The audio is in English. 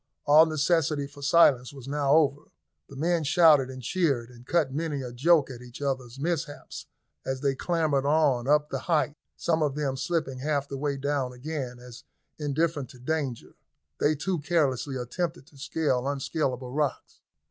All necessity for silence was now over, the men shouted and cheered and cut many a joke at each other's mishaps as they clambered on up the height, some of them slipping half the way down again, as, indifferent to danger, they too carelessly attempted to scale unscalable rocks.